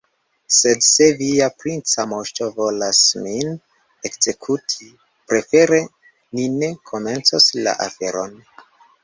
Sed se via princa moŝto volas min ekzekuti, prefere ni ne komencos la aferon.